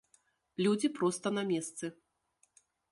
Людзі проста на месцы.